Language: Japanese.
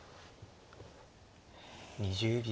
２０秒。